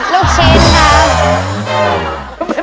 ลูกชิ้นครับ